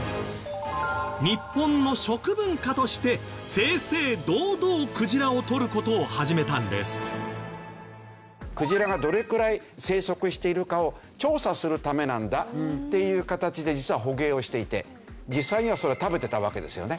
日本の食文化としてクジラがどれくらい生息しているかを調査するためなんだっていう形で実は捕鯨をしていて実際にはそれを食べてたわけですよね。